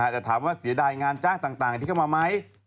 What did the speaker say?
แต่ถามว่าเสียดายงานจ้างต่างที่เข้ามาไหม